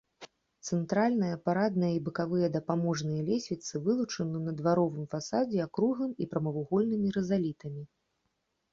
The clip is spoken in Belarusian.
Цэнтральная парадная і бакавыя дапаможныя лесвіцы вылучаны на дваровым фасадзе акруглым і прамавугольнымі рызалітамі.